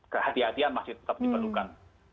kehatian kehatian masih tetap diperlukan